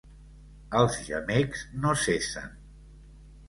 Els gemecs no cessen.